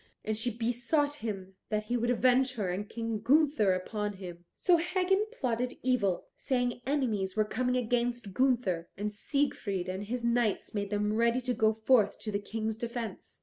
And she besought him that he would avenge her and King Gunther upon him. So Hagan plotted evil, saying enemies were coming against Gunther, and Siegfried and his knights made them ready to go forth to the King's defence.